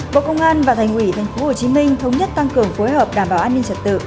bộ công an và thành ủy tp hcm thống nhất tăng cường phối hợp đảm bảo an ninh trật tự